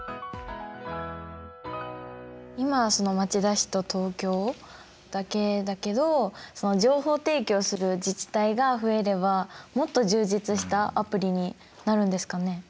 今はその町田市と東京だけだけど情報提供する自治体が増えればもっと充実したアプリになるんですかね？